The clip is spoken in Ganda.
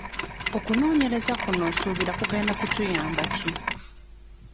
Okunoonyereza kuno osuubira kugenda kutuyamba ki?